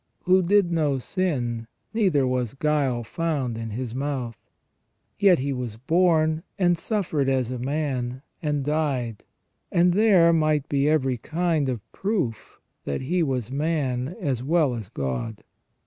" Who did no sin, neither was guile found in His mouth." Yet He was born, and suffered as a man, and died, that there might be every kind of proof that He was man as well as God.